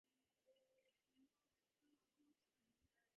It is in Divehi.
ކަންފަތަށް ވުރެ ބޮޑަށް ނާހި އިތުބާރުކުރީ ހިތަށް